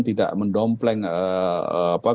tidak mendompleng keberhasilan